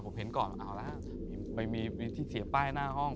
ผมเห็นก่อนเอาละไปมีที่เสียป้ายหน้าห้อง